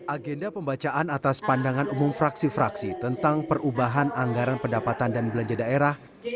agenda pembacaan atas pandangan umum fraksi fraksi tentang perubahan anggaran pendapatan dan belanja daerah